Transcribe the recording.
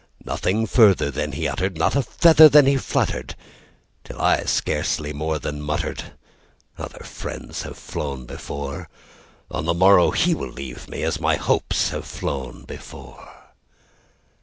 Nothing further then he uttered, not a feather then he fluttered, Till I scarcely more than muttered,—"Other friends have flown before; On the morrow he will leave me, as my Hopes have flown before."